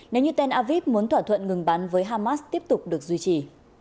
nếu như tên aviv muốn thỏa thuận ngừng bắn với hamas tiếp tục được duy trì